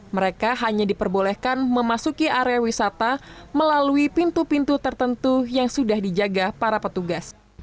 mereka hanya diperbolehkan memasuki area wisata melalui pintu pintu tertentu yang sudah dijaga para petugas